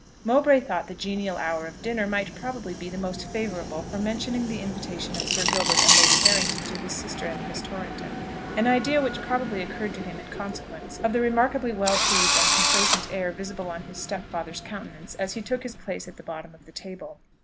Mowbray thought the genial hour of dinner might probably be the most favourable for mentioning the invitation of Sir Gilbert and Lady Harrington to his sister and Miss Torrington; an idea which probably occurred to him in consequence of the remarkably well pleased and complaisant air visible on his stepfather's countenance as he took his place at the bottom of the table.